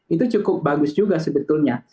itu cukup bagus juga sebetulnya